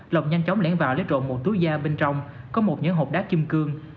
lọc nhanh chóng lén vào lấy trộm một túi da bên trong có một nhấn hộp đá kim cương